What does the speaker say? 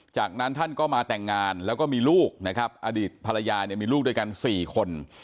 จากนั้นท่านก็มาแต่งงานแล้วก็มีลูกนะครับอดีตภรรยาเนี่ยมีลูกด้วยกัน๔คน